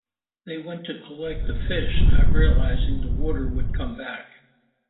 They went to collect the fish, not realizing that the water would come back.